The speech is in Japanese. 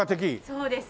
そうです。